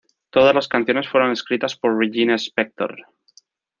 Todas las canciones fueron escritas por Regina Spektor.